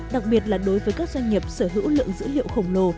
đặc biệt là đối với các doanh nghiệp sở hữu lượng dữ liệu khổng lồ